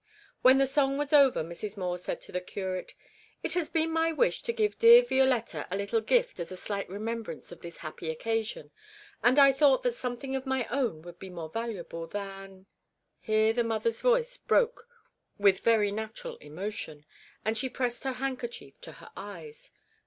When the song was over Mrs. Moore said to the curate, 'It has been my wish to give dear Violetta a little gift as a slight remembrance of this happy occasion, and I thought that something of my own would be more valuable than ' Here the mother's voice broke with very natural emotion, and she pressed her handkerchief to her eyes.